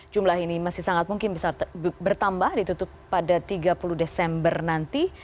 jumlah ini masih sangat mungkin bisa bertambah ditutup pada tiga puluh desember nanti